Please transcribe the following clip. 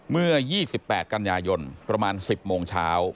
เมื่อ๒๘กันยายนประมาณ๑๐โมงเช้า